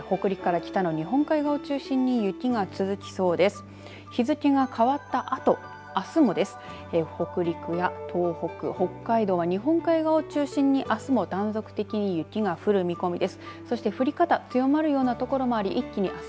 北陸や東北、北海道は日本海側を中心にあすも断続的に雪が降る見込みです。